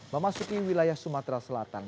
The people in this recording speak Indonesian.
memasuki wilayah sumatera selatan